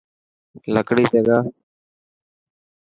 لڪڙي جگاهه.